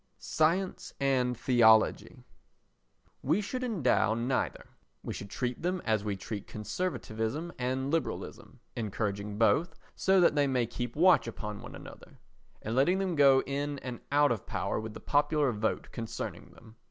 Science and Theology We should endow neither; we should treat them as we treat conservatism and liberalism, encouraging both, so that they may keep watch upon one another, and letting them go in and out of power with the popular vote concerning them.